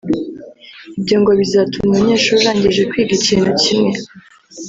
Ibyo ngo bizatuma Umunyeshuri urangije kwiga ikintu kimwe